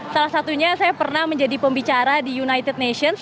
salah satunya saya pernah menjadi pembicara di united nations